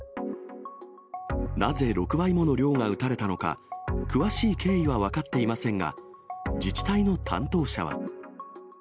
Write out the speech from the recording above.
なぜ６倍もの量が打たれたのか、詳しい経緯は分かっていませんが、自治体の担当者は。